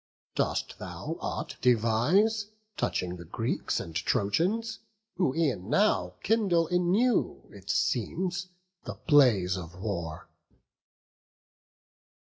dost thou aught devise Touching the Greeks and Trojans? who e'en now Kindle anew, it seems, the blaze of war."